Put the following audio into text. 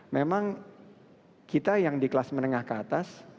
memang kita yang di kelas menengah ke atas